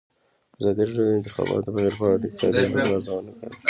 ازادي راډیو د د انتخاباتو بهیر په اړه د اقتصادي اغېزو ارزونه کړې.